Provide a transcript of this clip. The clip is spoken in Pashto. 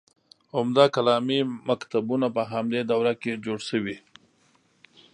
عمده کلامي مکتبونه په همدې دوره کې جوړ شوي.